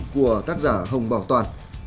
của tác giả hồng bảo toàn